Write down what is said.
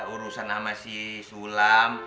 urusan sama si sulam